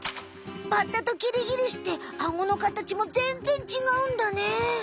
バッタとキリギリスってアゴのかたちもぜんぜんちがうんだね。